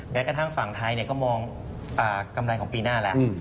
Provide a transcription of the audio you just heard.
แม้กระทั่งฝั่งไทยก็มองกำไรของปีหน้าแล้ว